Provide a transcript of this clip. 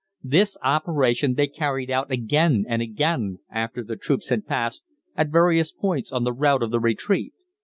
This operation they carried out again and again, after the troops had passed, at various points on the route of the retreat.